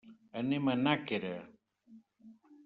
Anem a Nàquera.